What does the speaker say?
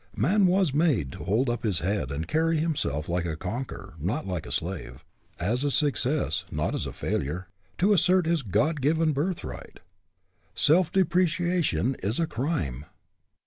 Man was made to hold up his head and carry himself like a conqueror, not like a slave, as a success, not as a failure, to assert his God given birthright. Self depreciation is a crime.